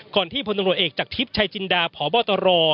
ก่อนที่พนธรรมเอกจักรทรีปชายจินดาภอบอตร